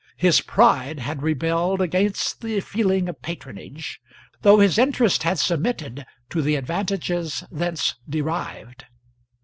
His pride had rebelled against the feeling of patronage, though his interest had submitted to the advantages thence derived.